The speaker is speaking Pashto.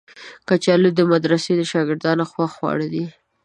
کچالو د مدرسې د شاګردانو خوښ خواړه دي